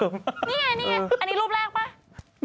นี่ไงอันนี้รูปแรกไหม